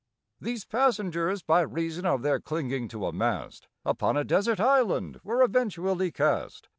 These passengers, by reason of their clinging to a mast, Upon a desert island were eventually cast.